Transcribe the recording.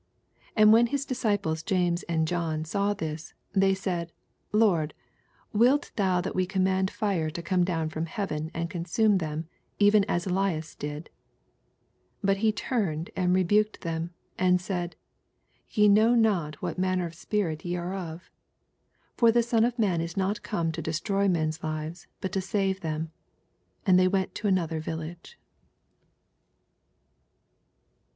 54 And when his disoiples Jamea and John saw this, they sud, Lord, wilt thou that we command fire to come down from heaven, and consmoa them, even as Ellas did ? 55 But he tnmed. and rehak«4 them, and said^ Te know not what manner of spint ye are of. 56 For the Son of man is not come to destroy men^s lives, bnt to save them. And they went to ar .other village.